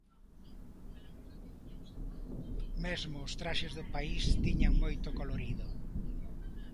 Mesmo os traxes do país tiñan moito colorido.